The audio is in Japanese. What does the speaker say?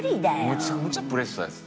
むちゃむちゃプレッシャーです。